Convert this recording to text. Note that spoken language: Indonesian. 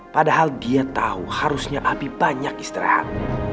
padahal dia tahu harusnya api banyak istirahat